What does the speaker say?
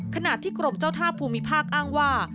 ขณะที่กรมเจ้าท่าภูมิภาคอ้างว่า